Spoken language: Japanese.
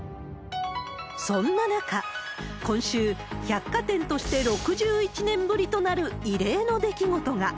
そんな中、今週、百貨店として６１年ぶりとなる異例の出来事が。